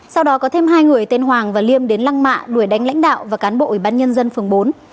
sau đó có thêm hai người tên hoàng và liêm đến lăng mạ đuổi đánh lãnh đạo và cán bộ ủy ban nhân dân phường bốn